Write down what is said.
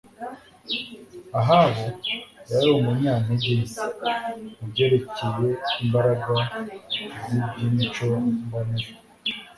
Ahabu yari umunyantege nke mu byerekeye imbaraga zibyimico mbonera